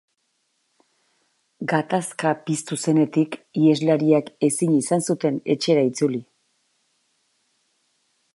Gatazka piztu zenetik iheslariak ezin izan zuten etxera itzuli.